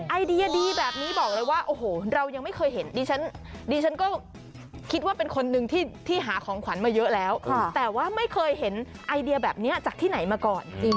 ไอเดียดีแบบนี้บอกเลยว่าโอ้โหเรายังไม่เคยเห็นดิฉันก็คิดว่าเป็นคนหนึ่งที่หาของขวัญมาเยอะแล้วแต่ว่าไม่เคยเห็นไอเดียแบบนี้จากที่ไหนมาก่อนจริง